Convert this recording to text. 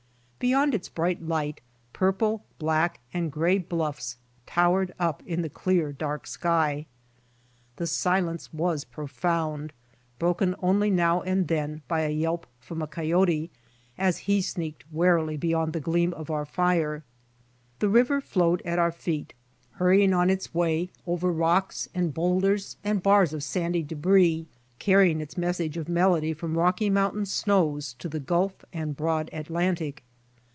Beyond its bright light, purple, black and gray bluffs towered up in the clear, dark sky. The silence was profound, broken only now and then by a yelp from a coyote as he sneaked warily beyond the ^leam of our fire. The river flowed at our feet, huiTying on its Avay over rocks and boulders and bars of sandy debris, carrying its message of melody from Rocky mountain snows to the Gulf and broad Atlantic.